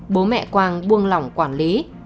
bố mẹ quang buông lỏng quản lý